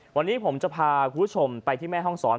วันนี้ผมจะพาคุณผู้ชมไปที่แม่ห้องศร